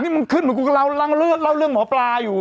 นี่มันขึ้นเหมือนกูกำลังเลิศเล่าเรื่องหมอปลาอยู่